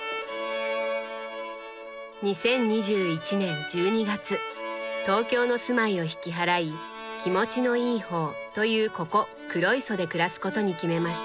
２０２１年１２月東京の住まいを引き払い気持ちのいい方というここ黒磯で暮らすことに決めました。